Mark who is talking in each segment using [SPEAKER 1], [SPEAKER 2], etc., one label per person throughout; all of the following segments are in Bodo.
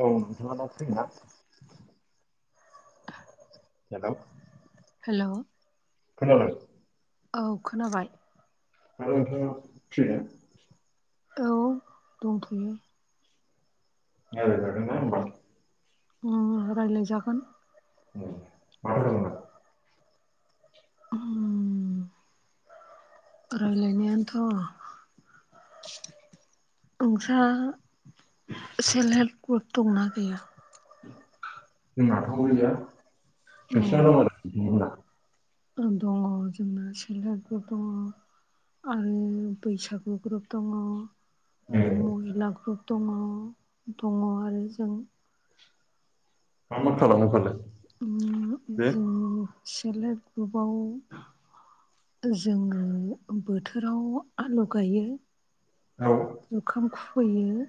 [SPEAKER 1] औ नोंथाङा दा फ्रि ना? हेल'
[SPEAKER 2] हेल'
[SPEAKER 1] खोनाबाय
[SPEAKER 2] औ खोनाबाय।
[SPEAKER 1] आरो नोंथाङा फ्रि ना?
[SPEAKER 2] औ दंथ'यो
[SPEAKER 1] रायज्लाय जागोन ना होमबा
[SPEAKER 2] उम रायज्लायजागोन
[SPEAKER 1] उम मा खालामदों दा
[SPEAKER 2] उम
[SPEAKER 1] [inaudible]
[SPEAKER 2] रायलायनायानोथ' ओंसा [unintelligible] सेल्फ हेल्प ग्रुप दंना गैया?
[SPEAKER 1] जोंनाथ' गैया
[SPEAKER 2] औ
[SPEAKER 1] नोंसिना दं आरो
[SPEAKER 2] दङ जोंना सेल हेल्प ग्रुप दङ। आरो बैसागु ग्रुप दङ।
[SPEAKER 1] ए
[SPEAKER 2] आरो महिला ग्रुप दङ दङ आरो जों।
[SPEAKER 1] मा मा खालामो फालाय
[SPEAKER 2] उम
[SPEAKER 1] दे।
[SPEAKER 2] जों सेल्फ हेल्प ग्रुपाव। जोङो बोथोराव आलु गायो।
[SPEAKER 1] औ
[SPEAKER 2] जुखाम खुबैयो।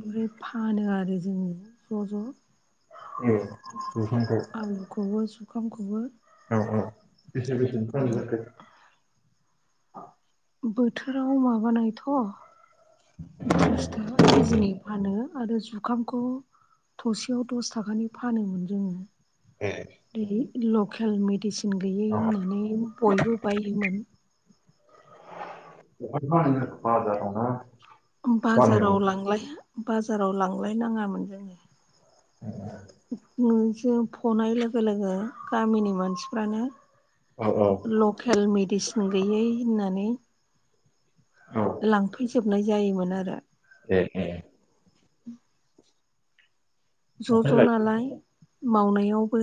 [SPEAKER 2] ओमफ्राय फानो आरो जोङो ज' ज'
[SPEAKER 1] ए बिफांखौ
[SPEAKER 2] आलुखौबो सुखामखौबो
[SPEAKER 1] औ औ बेसे बेसे खालाम जाखो।
[SPEAKER 2] बोथोराव माबानायथ' त्रिस थाखा केजिनि फानो आरो जुखामखौ। थसेयाव दस थाखानि फानोमोन जोङो।
[SPEAKER 1] ए
[SPEAKER 2] दै लकेल मेडिसिन गैयै होननानै बयबो बायोमोन
[SPEAKER 1] बहा फानोमोन बाजाराव ना गामियाव
[SPEAKER 2] बाजाराव लां बाजाराव लांलाय नाङामोन जोङो।
[SPEAKER 1] [inaudible]
[SPEAKER 2] जों फनाय लोगो लोगो गामिनि मानसिफ्रानो
[SPEAKER 1] औ औ
[SPEAKER 2] लकेल मेडिसिन गैयै होननानै।
[SPEAKER 1] औ
[SPEAKER 2] लांफैजोबनाय जायोमोन आरो।
[SPEAKER 1] ए ए।
[SPEAKER 2] ज'
[SPEAKER 1] ओमफ्राय
[SPEAKER 2] ज'
[SPEAKER 1] लायदो
[SPEAKER 2] नालाय मावनायावबो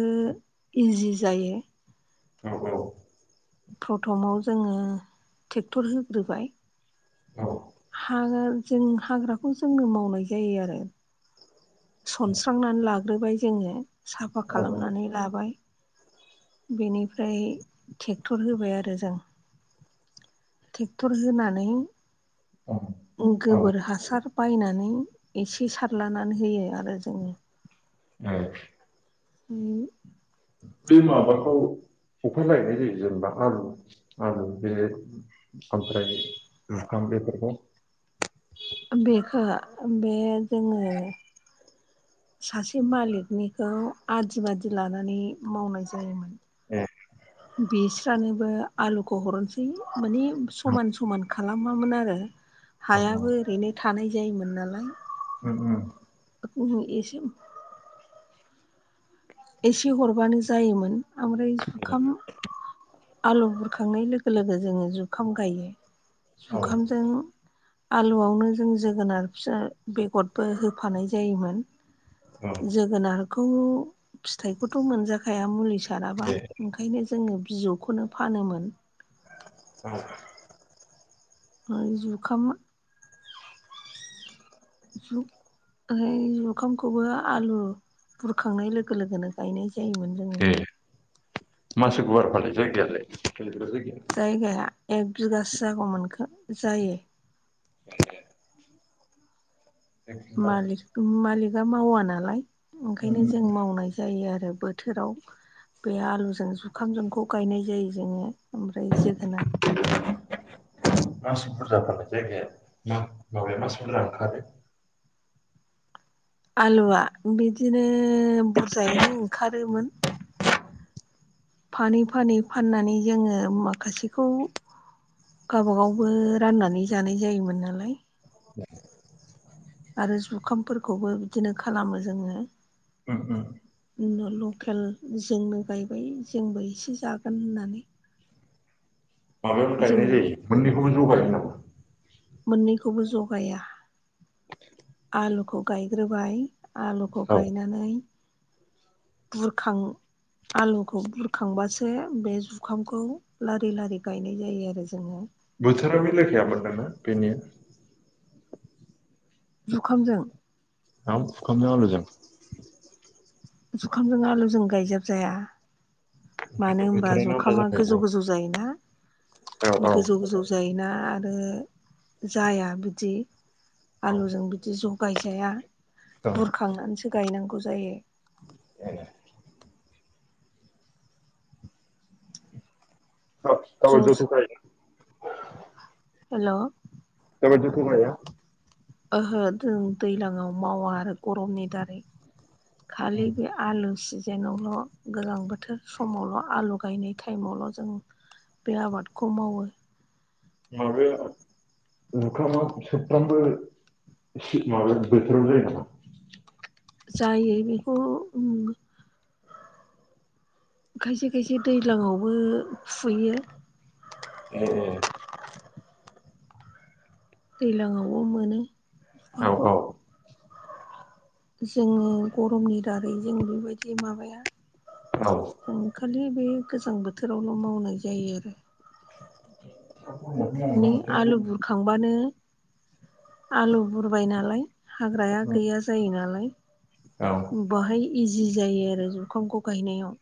[SPEAKER 2] इजि जायो।
[SPEAKER 1] औ औ
[SPEAKER 2] प्रथमाव जोङो ट्रेक्टर होग्रोबाय
[SPEAKER 1] औ
[SPEAKER 2] हा जों हाग्राखौ जोंनो मावनाय जायो आरो। सनस्रांनानै लाग्रोबाय जोङो साफा
[SPEAKER 1] औ
[SPEAKER 2] खालामनानै लाबाय बेनिफ्राय ट्रेक्टर होबाय आरो जों ट्रेक्टर होनानै
[SPEAKER 1] औ
[SPEAKER 2] गोबोर हासार बायनानै एसे सारलानानै होयो आरो जोङो
[SPEAKER 1] आ
[SPEAKER 2] उम
[SPEAKER 1] बे माबाखौ अफाय लायनाय जायो जेनेबा आलु आलु बे ओमफ्राय बेफोरखौ
[SPEAKER 2] बेखौ बे जोङो सासे मालिकनिखौ आदि बादि लानानै मावनाय
[SPEAKER 1] ए
[SPEAKER 2] जायोमोन बिस्रानोबो आलुखौ हरनो सै‌ माने समान समान खालामामोन आरो
[SPEAKER 1] उम
[SPEAKER 2] हायाबो ओरैनो थानाय जायोमोन नालाय
[SPEAKER 1] उम उम
[SPEAKER 2] एसे एसे हरबानो जायोमोन। ओमफ्राय जुखाम आलु बुरखांनाय लोगो लोगो जोङो जुखाम गायो
[SPEAKER 1] औ
[SPEAKER 2] जुखामजों आलुआवनो जों जोगोनार फिसा बेगरबो होफानाय जायोमोन।
[SPEAKER 1] औ
[SPEAKER 2] जोगोनारखौ फिथाइखौथ' मोनजाखाया मुलि बा
[SPEAKER 1] दे
[SPEAKER 2] ओंखायनो जोङो बिजौखौनो फानोमोन।
[SPEAKER 1] औ
[SPEAKER 2] [unintelligible]
[SPEAKER 1] [inaudible]
[SPEAKER 2] जु ओ जुखामखौबो आलु बुरखांनाय लोगो लोगोनो गायनाय जायोमोन जोङो।
[SPEAKER 1] ए
[SPEAKER 2] जायगाया
[SPEAKER 1] [unintelligible]
[SPEAKER 2] एक बिगासो जागौमोनखो जायो। मालि मालिका मावा नालाय ओंखायनो जों मावनाय जायो आरो। बोथोराव बे आलुजों जुखामजोंखौ गायनाय जायो जोङो ओमफ्राय जोगोनार
[SPEAKER 1] [inaudible] मासि बुरजाबालाय जायगाया मा माबाया मासि बुरजा ओंखारो?
[SPEAKER 2] आलुआ बिदिनो बुरजायैनो ओंखारोमोन। फानै फानै फाननानै जोङो माखासेखौ गावबा गावबो राननानै जानाय जायोमोन नालाय आरो जुखामफोरखौबो बिदिनो खालामो जोङो
[SPEAKER 1] उम उम
[SPEAKER 2] लकेल जोंनो गायबाय जोंबो एसे जागोन होननानै
[SPEAKER 1] माबायाबो गायनाय
[SPEAKER 2] जोंबो
[SPEAKER 1] जायो मोननैखौबो ज गायो नामा?
[SPEAKER 2] मोननैखौबो ज गाया। आलुखौ गायग्रोबाय आलुखौ
[SPEAKER 1] औ
[SPEAKER 2] गायनानै बुरखां आलुखौ बुरखांबासो बे जुखामखौ लारि लारि गायनाय जायो आरो जोङो
[SPEAKER 1] बोथोराव बे [unintelligible] बेनिया
[SPEAKER 2] जुखामजों
[SPEAKER 1] ओम जुखामजों आलुजों
[SPEAKER 2] जुखामजों आलुजों गायजाब जाया मानो
[SPEAKER 1] ओंखायनो
[SPEAKER 2] होमबा
[SPEAKER 1] बोथोरानो आलादा
[SPEAKER 2] जुखामा
[SPEAKER 1] जाखायो
[SPEAKER 2] गोजौ
[SPEAKER 1] दां
[SPEAKER 2] गोजौ जायोना
[SPEAKER 1] औ औ
[SPEAKER 2] गोजौ गोजौ जायोना आरो जाया बिदि
[SPEAKER 1] औ
[SPEAKER 2] आलुजों बिदि ज गायजाया
[SPEAKER 1] औ
[SPEAKER 2] बुरखांनानैसो गायनांगौ जायो
[SPEAKER 1] ए
[SPEAKER 2] ज' ज'
[SPEAKER 1] [unintelligible]
[SPEAKER 2] हेल'
[SPEAKER 1] [unintelligible]
[SPEAKER 2] ओहो जों दैलांआव मावा आरो गरमनि दारै खालि
[SPEAKER 1] उम
[SPEAKER 2] बे आलु सि जेनावल' गोजां बोथोर समावल' आलु गायनाय टाइमावल' जों बे आबादखौ मावो
[SPEAKER 1] माबाया ओंखामा सोबफ्रामबो माबा बोथोराव जायो नामा
[SPEAKER 2] जायो बेखौ खायसे खायसे दैलाआवबो खुयो
[SPEAKER 1] ए
[SPEAKER 2] दैलांआवबो मोनो
[SPEAKER 1] औ
[SPEAKER 2] बिफांखौ
[SPEAKER 1] औ
[SPEAKER 2] जोङो गरमनि दारै जों बेबायदि माबाया
[SPEAKER 1] औ
[SPEAKER 2] जों खालि बे गोजां बोथोरावल' मावनाय जायो आरो नि आलु बुरखांबानो आलु बुरबाय नालाय हाग्राया गैया जायो नालाय बाहाय इजि जायो आरो जुखामखौ गायनायाव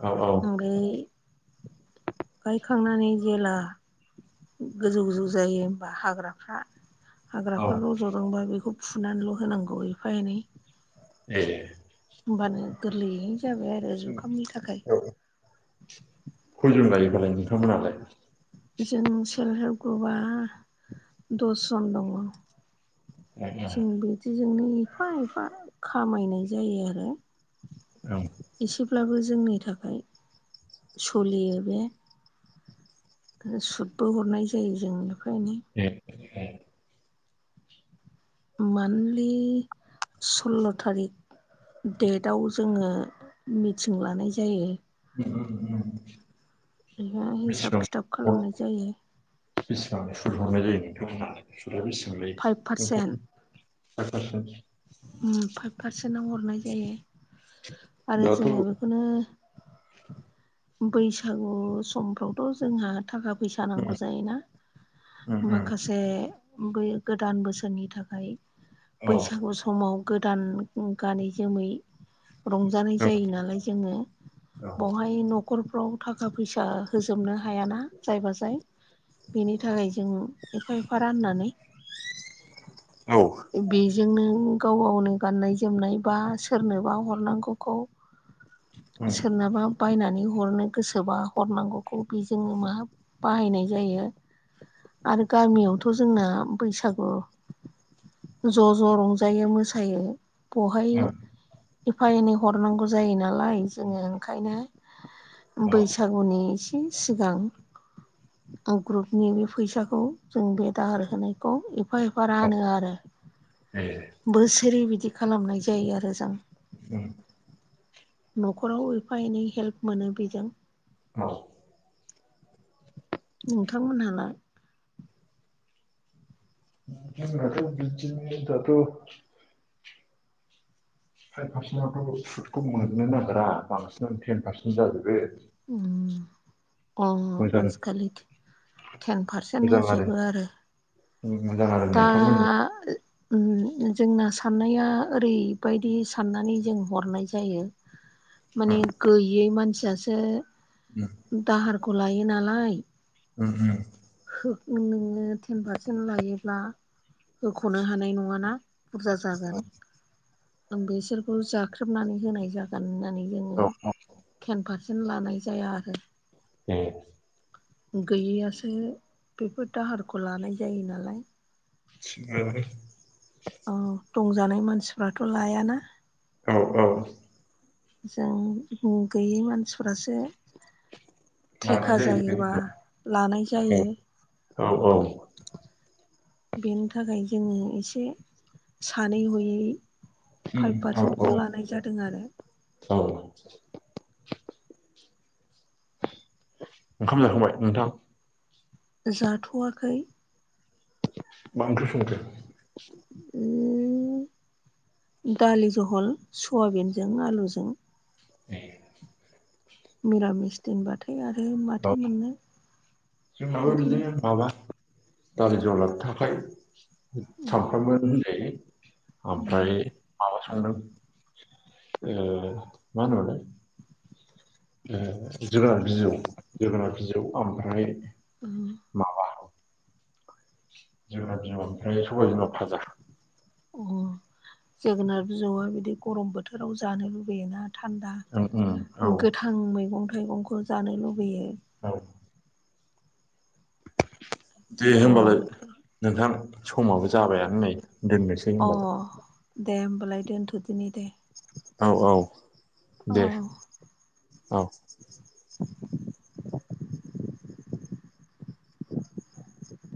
[SPEAKER 1] औ औ
[SPEAKER 2] ओमफ्राय गायखांनानै जेब्ला गोजौ गोजौ जायो होनबा हाग्राफ्रा हाग्राफोर
[SPEAKER 1] औ
[SPEAKER 2] रज'दोंबा बेखौ फुनानैल' होनांगौ एफा एनै
[SPEAKER 1] ए
[SPEAKER 2] होमबानो गोरलैयै जाबाय आरो जुखामनि थाखाय
[SPEAKER 1] रों लायोबालाय नोंथांमोनालाय
[SPEAKER 2] जों सेल्फ हेल्प ग्रुपआ दसजन दङ जों बिदिजोंनो एफा एफा खामायनाय जायो आरो
[SPEAKER 1] औ
[SPEAKER 2] एसेब्लाबो जोंनि थाखाय सलियो बे सुदबो हरनाय जायो जोंनि
[SPEAKER 1] ए ए
[SPEAKER 2] मानथलि सल्ल' थारिख डेटयाव जोङो मिटिं लानाय जायो।
[SPEAKER 1] ओम ओम
[SPEAKER 2] बेहाय हिसाब
[SPEAKER 1] बिसिबां
[SPEAKER 2] खिथाब खालामनाय जायो
[SPEAKER 1] हर बिसिबां सुथ हरनाय जायो नोंथमोनहा सुथयाव बेसेबांलायो
[SPEAKER 2] फाइभ
[SPEAKER 1] नोंथां
[SPEAKER 2] ओम फाइभ पारसेन्टाव हरनाय जायो आरो
[SPEAKER 1] दाथ'
[SPEAKER 2] जोङो
[SPEAKER 1] उम
[SPEAKER 2] बेखौनो बैसागु समफ्रावथ' जोंहा थाखा फैसा नांगौ जायोना
[SPEAKER 1] उम
[SPEAKER 2] माखासे बै गोदान बोसोरनि थाखाय
[SPEAKER 1] औ
[SPEAKER 2] बैसागु समाव गोदान गानै जोमै
[SPEAKER 1] औ ए औ
[SPEAKER 2] रंजानाय जायो नालाय जोङो बेवहाय न' फ्राव थाखा फैसा होजोबनो हायाना जायबा जाय बेनि थाखाय जों एफा एफा राननानै बेजोंनो गाव गावनो गाननाय जोमनाय बा सोरनोबा हरनांगौखौ सोरनाबा बायनानै हरनो गोसोबा हरनांगौखौ बेजोंनो मा बाहायनाय जायो आरो गामियावथ' जोंना बैसागु ज' ज' रंजायो मोसायो बेहाय एफा एनै हरनांगौ जायो नालाय जोङो ओंखायनो बैसागुनि सिगां ग्रुपनि बे फैसाखौ जों बे दाहार होनायखौ एफा एफा रानो आरो बोसोरै बिदि खालामनाय जायो आरो जों
[SPEAKER 1] औ
[SPEAKER 2] न'खराव एफा एनै हेल्प मोनो बेजों
[SPEAKER 1] औ
[SPEAKER 2] नोंथांमोनहालाय
[SPEAKER 1] जोंनाथ' बिदिनो दाथ' फाइभ पारसेन्टआवथ' सुटखौ मोननो नागिरा बांसिनानो टेन पारसेन्ट जाजोबो
[SPEAKER 2] ओम अ
[SPEAKER 1] मोजां
[SPEAKER 2] आजिखालि टेन पारसेन्ट होजोबो आरो
[SPEAKER 1] मोजां आरो
[SPEAKER 2] दा
[SPEAKER 1] नोंथांमोननि
[SPEAKER 2] जोंना ओम जोंना साननाया ओरैबायदि साननानै जों हरनाय जायो माने गैयै मानसियासो दाहारखौ लायो नालाय
[SPEAKER 1] ओम ओम
[SPEAKER 2] नोङो टेन पारसेन्ट लायोब्ला होख'नो हानाय नङाना बुरजा जागोन बेसोरखौ जाख्रेबनानै होनाय जागोन होननानै जोङो
[SPEAKER 1] औ
[SPEAKER 2] टेन पारसेन्ट लानाय जाया आरो
[SPEAKER 1] ए
[SPEAKER 2] गैयैयासो बेफोर दाहारखौ लानाय जायो नालाय औ दंजानाय मानसिफ्राथ' लायाना
[SPEAKER 1] औ औ
[SPEAKER 2] जों गैयै मानसिफ्रासो
[SPEAKER 1] लानाय
[SPEAKER 2] थेखा
[SPEAKER 1] जायो बे
[SPEAKER 2] जायोबा लानाय
[SPEAKER 1] औ
[SPEAKER 2] जायो
[SPEAKER 1] औ औ
[SPEAKER 2] बेनि थाखाय जोङो एसे सानै हयै फाइभ
[SPEAKER 1] औ
[SPEAKER 2] पारसेन्टखौ लानाय जादों आरो
[SPEAKER 1] औ ओंखाम जाखांबाय नोंथां
[SPEAKER 2] जाथ'वाखै
[SPEAKER 1] ओंख्र्रि संखो
[SPEAKER 2] उ दालि बहल सयाबिनजों आलुजों
[SPEAKER 1] ए
[SPEAKER 2] निरामिस दोनबाथाय आरो माथो
[SPEAKER 1] औ
[SPEAKER 2] मोननो
[SPEAKER 1] जोंनाबो
[SPEAKER 2] बिदि
[SPEAKER 1] माबा दालि जला थ थाखाय सानफ्रामोन होनै ओमफ्राय माबा आ मानालाय जोगोनार बिजौ जोगोनार बिजौ ओमफ्राय म जोगोना ओमफ्राय सबबाय बिनाव भाजा
[SPEAKER 2] अ जोगोनार बिजौआ बिदि गरम बोथोराव जानो लुुबैयोना थान्दा
[SPEAKER 1] ओम ओम औ
[SPEAKER 2] गोथां मैगं थाइगंखौ जानो लुुबैयो
[SPEAKER 1] औ दे
[SPEAKER 2] गरम
[SPEAKER 1] होमबालाय
[SPEAKER 2] बोथोराव
[SPEAKER 1] नोंथां समाबो जाबायानो नै दोननो सै
[SPEAKER 2] अ
[SPEAKER 1] होमबा
[SPEAKER 2] दे होमबालाय दोनथ'दिनि दे।
[SPEAKER 1] औ औ। दे
[SPEAKER 2] औ।
[SPEAKER 1] औ।